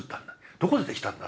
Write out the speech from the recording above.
どこでできたんだ？